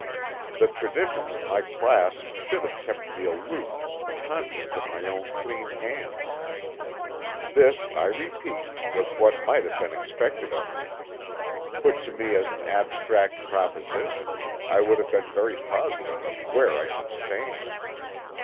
The traditions of my class should have kept me aloof, conscious of my own clean hands. This, I repeat, was what might have been expected of me: Put to me as an abstract proposition, I would have been very positive of where I should stand.